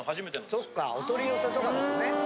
そっかお取り寄せとかだもんね。